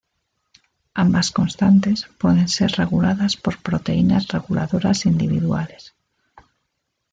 Ambas constantes pueden ser reguladas por proteínas reguladoras individuales.